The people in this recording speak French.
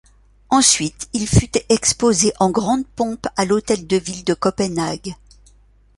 Ensuite il fut exposé en grande pompe à l'hôtel de ville de Copenhague.